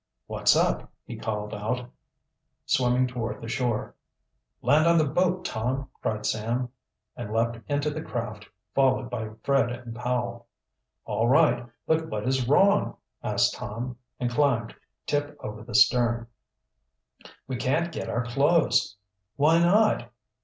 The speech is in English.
"What's up?" he called out, swimming toward the shore. "Land on the boat, Tom!" cried Sam, and leaped into the craft, followed by Fred and Powell. "All right; but what is wrong?" asked Tom, and climbed tip over the stern. "We can't get our clothes." "Why not?"